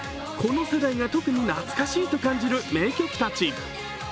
この世代が特に懐かしいと感じる名曲たち。